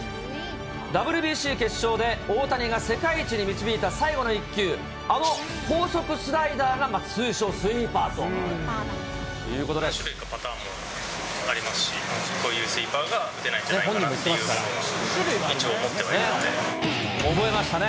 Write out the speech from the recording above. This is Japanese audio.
ＷＢＣ決勝で、大谷が世界一に導いた最後の一球、あの高速スライダーが、何種類かパターンもありますし、こういうスイーパーが打てないんじゃないかというものを、覚えましたね。